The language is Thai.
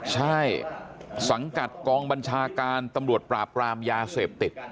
ใช่สังกัดกองบัญชาการตำรวจปราบรามยาเสพติด